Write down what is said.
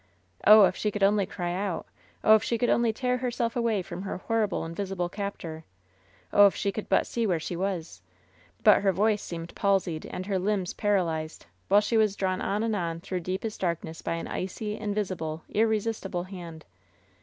Oh, if she could only cry out. Oh, if she could only tear herself away from her horrible invisible captor. Oh, if she could but see where she was. But her voice LOVERS BITTEREST QUP 269 seemed palsied an<J her limbs paralyzed, while she was drawn on and on through deepest darkness bysan icy, invisible, irresistible hand.